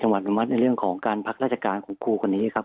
อนุมัติในเรื่องของการพักราชการของครูคนนี้ครับ